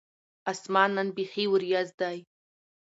اسمان نن بیخي ور یځ دی